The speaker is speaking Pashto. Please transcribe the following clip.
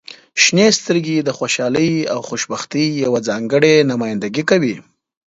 • شنې سترګې د خوشحالۍ او خوشبختۍ یوه ځانګړې نمایندګي کوي.